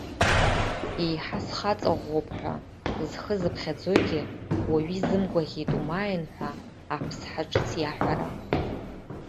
Еиҳа схаҵа ӷәӷәоуп ҳәа зхы зыԥхьаӡозгьы уаҩы изымгәаӷьит умааин ҳәа аԥсҳа ҿыц иаҳәара.